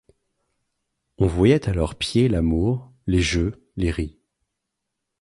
On voyait à leurs pieds l'amour, les jeux, les ris ;